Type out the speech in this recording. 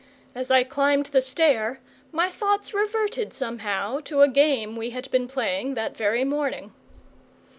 As I climbed the stair, my thoughts reverted somehow to a game we had been playing that very morning.